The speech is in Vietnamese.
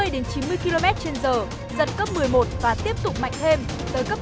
sáu mươi đến chín mươi km trên giờ dật cấp một mươi một và tiếp tục mạnh thêm tới cấp một mươi một mươi một